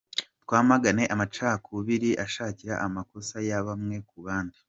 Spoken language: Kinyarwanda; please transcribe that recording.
Twamagane amacakubiri ashakira amakosa ya bamwe ku bandi.